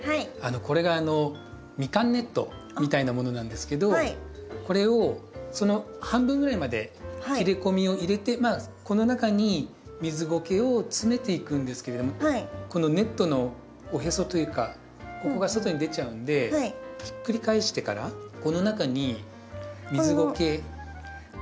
これがミカンネットみたいなものなんですけどこれをその半分ぐらいまで切れ込みを入れてこの中に水ごけを詰めていくんですけれどもこのネットのおへそというかここが外に出ちゃうのでひっくり返してからこの中に水ごけ。